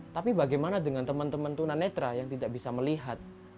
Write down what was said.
tapi bagaimana dengan teman teman tunanetra yang tidak bisa melihat